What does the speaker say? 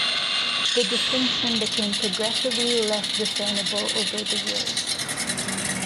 The distinction became progressively less discernible over the years.